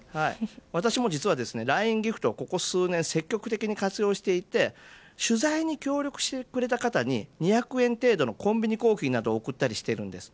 私も実はＬＩＮＥギフトをここ数年積極的に活用していて取材に協力してくれた方に２００円程度のコンビニコーヒーなどを贈ったりしているんです。